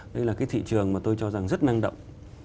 đấy là cái thị trường mà tôi cho rằng rất năng động